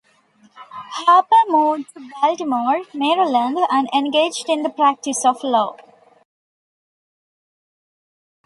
Harper moved to Baltimore, Maryland, and engaged in the practice of law.